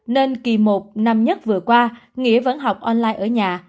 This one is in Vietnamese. nên kỳ một năm nhất vừa qua nghĩa vẫn học online ở nhà